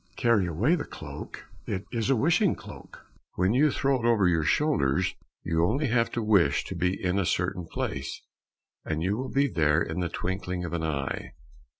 Carry away the cloak, it is a wishing cloak; when you throw it over your shoulders, you only have to wish to be in a certain place, and you will be there in the twinkling of an eye.